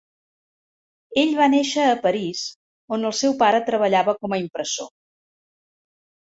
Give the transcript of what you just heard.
Ell va néixer a París, on el seu pare treballava com a impressor.